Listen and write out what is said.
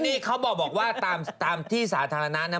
นี่เขาบอกว่าตามที่สาธารณะนะ